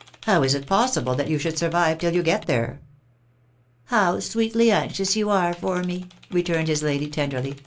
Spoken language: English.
How is it possible that you should survive till you get there?" "How sweetly anxious you are for me!" returned his lady, tenderly.